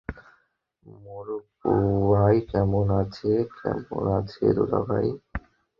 মোর বুয়ায় কেমন আছে, কেমন আছে দুলাবাই?